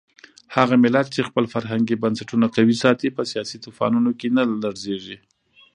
هغه ملت چې خپل فرهنګي بنسټونه قوي ساتي په سیاسي طوفانونو کې نه لړزېږي.